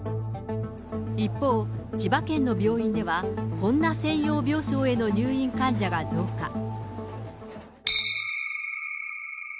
一方、千葉県の病院では、こんな専用病床への入院患者が増加。